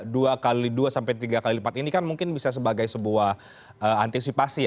dua sampai tiga kali lipat ini kan mungkin bisa sebagai sebuah antisipasi ya